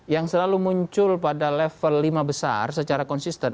yang selalu muncul pada level lima besar secara konsisten